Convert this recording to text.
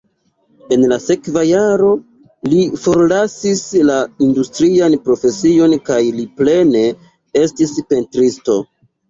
En la sekva jaro li forlasis la industrian profesion kaj li plene estis pentristo.